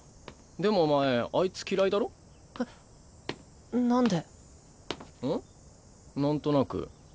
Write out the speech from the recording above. でもお前あいつ嫌いだろ？えっ？なんで？ん？なんとなく。